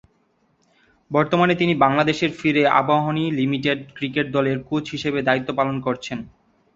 বর্তমানে তিনি বাংলাদেশের ফিরে আবাহনী লিমিটেড ক্রিকেট দলের কোচ হিসেবে দায়িত্ব পালন করছেন।